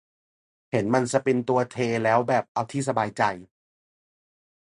เห็นมันสปินตัวเทแล้วแบบ เอาที่สบายใจ ????